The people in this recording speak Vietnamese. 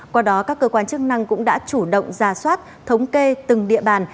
qua đó các cơ quan chức năng cũng đã chủ động ra soát thống kê từng địa bàn